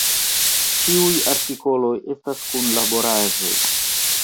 Ĉiuj artikoloj estas kunlaboraĵoj.